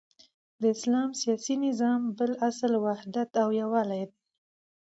د اسلام سیاسی نظام بل اصل وحدت او یوالی دی،